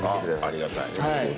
ありがたい。